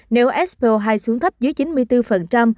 nếu spo hai xuống thấp dưới chỉ số